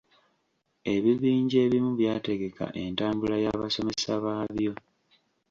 Ebibinja ebimu by'ategeka entambula y'abasomesa baabyo.